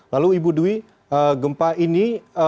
lalu ibu dwi gempa ini